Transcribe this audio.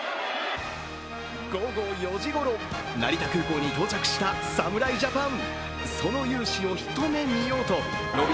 午後４時ごろ、成田空港に到着した侍ジャパン。